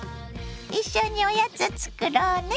一緒におやつ作ろうね。